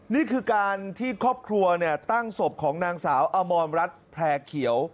นี่คือการที่ครอบครัวตั้งศพของนางสาวอมรรัฐแพร่เขียว